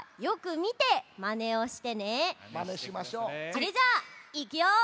それじゃあいくよ！